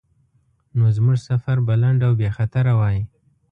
نو زموږ سفر به لنډ او بیخطره وای.